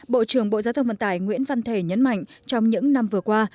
bộ trưởng bộ giao thông vận tải nguyễn văn thể nhấn mạnh trong những năm vừa qua